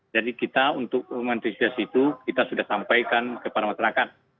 jadi kita untuk mematrisiasi itu kita sudah sampaikan kepada masyarakat